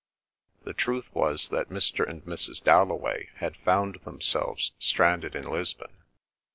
The truth was that Mr. and Mrs. Dalloway had found themselves stranded in Lisbon.